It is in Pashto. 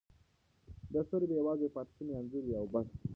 دا سیوری به یوازې یو پاتې شونی انځور وي او بس.